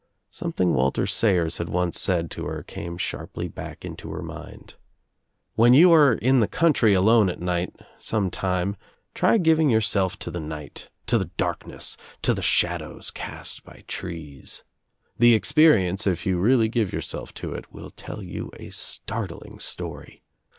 Something Walter Sayers had once said to her came sharply back into her mind. "When you t OUT OF NOWHERE INTO NOTHING 245 are in the country alone at night sometime try giving yourself to the night, to the darkness, to the shadows cast by trees. The experience, If you really give your self to it, will tell you a startling story.